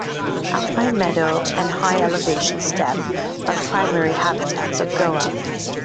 Alpine meadow and high elevation steppe are the primary habitats of goa.